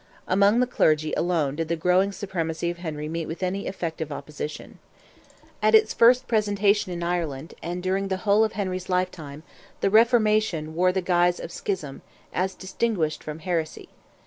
Among the clergy alone did the growing supremacy of Henry meet with any effective opposition. At its first presentation in Ireland, and during the whole of Henry's lifetime, the "Reformation" wore the guise of schism, as distinguished from heresy.